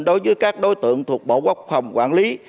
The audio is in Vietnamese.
đối với các đối tượng thuộc bộ quốc phòng quản lý